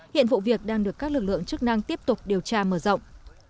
hiện vụ việc đang được các lực lượng chức năng tiếp tục điều tra mở rộng